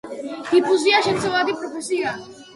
დიფუზია შექცევადი პროცესია.